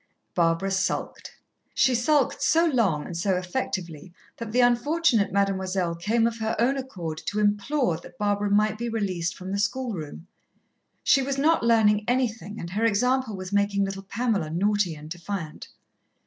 Barbara sulked. She sulked so long and so effectively that the unfortunate Mademoiselle came of her own accord to implore that Barbara might be released from the schoolroom. She was not learning anything, and her example was making little Pamela naughty and defiant.